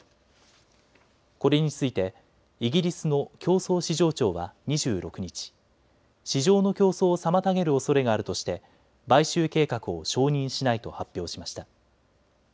これについてイギリスの競争・市場庁は２６日、市場の競争を妨げるおそれがあるとして買収計画を承認しないと発表しました。